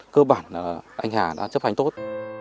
cơ bản là anh hà đã chấp hành tốt